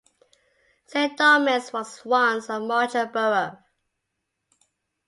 Saint Dogmael's was once a marcher borough.